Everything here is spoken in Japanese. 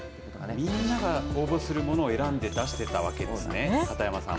みんなが応募するものを選んで出してたわけですね、片山さん